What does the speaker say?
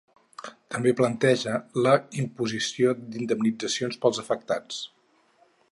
També planteja la imposició d’indemnitzacions pels afectats.